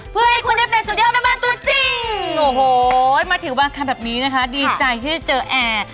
เพื่อให้คุณได้เป็นสุดยอดแม่บ้านตัวจริงโอ้โหมาถึงบางคำแบบนี้นะคะดีใจที่ได้เจอแอร์